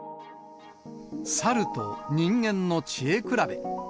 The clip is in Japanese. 猿と人間の知恵比べ。